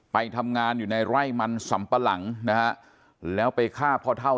ไปทำงานอยู่ในไร่มันสำปะหลังนะฮะแล้วไปฆ่าพ่อเท่า